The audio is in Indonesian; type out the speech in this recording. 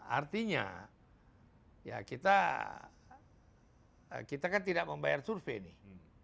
artinya ya kita kan tidak membayar survei nih